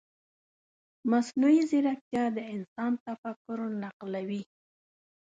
مصنوعي ځیرکتیا د انسان تفکر نقلوي.